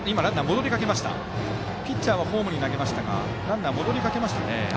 ピッチャーはホームに投げましたがランナーは戻りました。